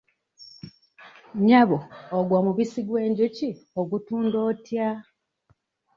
Nnyabo ogwo omubisi gw'enjuki ogutunda otya?